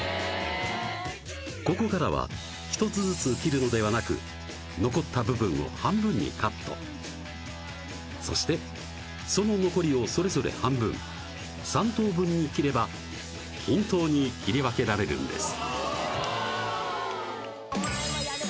ここからは１つずつ切るのではなくそしてその残りをそれぞれ半分３等分に切れば均等に切り分けられるんです